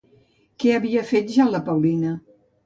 Què havia fet ja la Paulina?